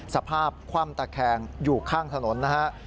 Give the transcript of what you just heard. สภาพคว่ำตะแคงอยู่ข้างถนนนะฮะ